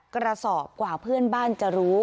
กระสอบกว่าเพื่อนบ้านจะรู้